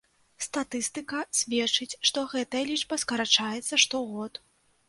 Статыстыка сведчыць, што гэтая лічба скарачаецца штогод.